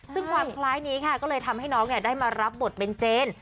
ซึ่งความคล้ายนี้ค่ะก็เลยทำให้น้องได้มารับบทเป็นเจน